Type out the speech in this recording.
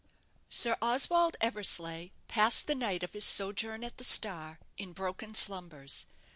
Sir Oswald Eversleigh passed the night of his sojourn at the 'Star' in broken slumbers.